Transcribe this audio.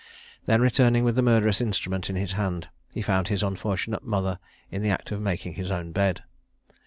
Then returning with the murderous instrument in his hand, he found his unfortunate mother in the act of making his own bed.